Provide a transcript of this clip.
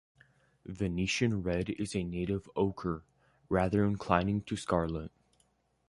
Venetian-red is a native ocher, rather inclining to scarlet.